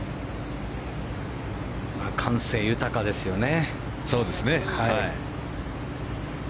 感性豊かですよね。